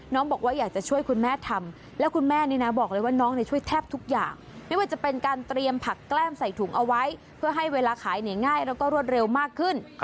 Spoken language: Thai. บอกว่าอยากจะช่วยคุณแม่ทำแล้วคุณแม่นี่นะบอกเลยว่าน้องช่วยแทบทุกอย่างไม่ว่าจะเป็นการเตรียมผักแก้มใส่ถุงเอาไว้เพื่อให้เวลาขายเนี่ยง่ายแล้วก็รวดเร็วมากขึ้น